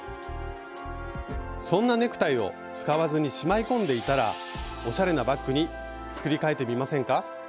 そんなネクタイを使わずにしまい込んでいたらおしゃれなバッグに作りかえてみませんか？